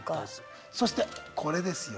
そしてこれですよ。